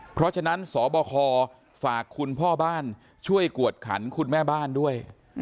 เพราะฉะนั้นสบคฝากคุณพ่อบ้านช่วยกวดขันคุณแม่บ้านด้วย